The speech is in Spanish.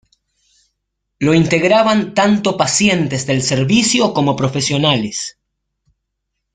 Lo integraban tanto pacientes del servicio como profesionales.